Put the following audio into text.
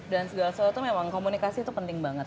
dan segala soal itu memang komunikasi itu penting banget